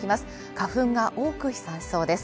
花粉が多く飛散しそうです。